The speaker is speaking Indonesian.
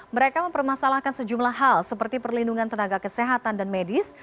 mereka mempermasalahkan sejumlah hal seperti perlindungan tenaga kesehatan dan medis